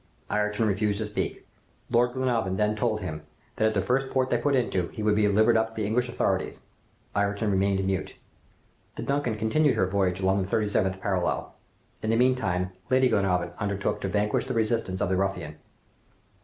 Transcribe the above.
Ayrton refused to speak. Lord Glenarvan then told him, that at the first port they put into, he would be delivered up to the English authorities. Ayrton remained mute. "The 'Duncan' continued her voyage along the thirty seventh parallel. In the meanwhile, Lady Glenarvan undertook to vanquish the resistance of the ruffian.